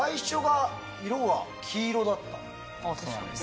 そうなんです。